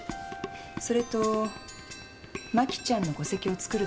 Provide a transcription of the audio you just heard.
それと真希ちゃんの戸籍を作るだけ。